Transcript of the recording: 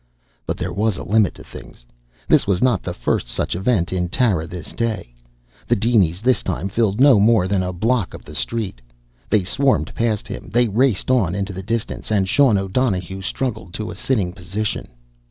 But there was a limit to things. This was not the first such event in Tara, this day. The dinies, this time, filled no more than a block of the street. They swarmed past him, they raced on into the distance, and Sean O'Donohue struggled to a sitting position.